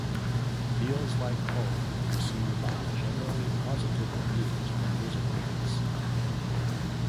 "Feels Like Home" received generally positive reviews from music critics.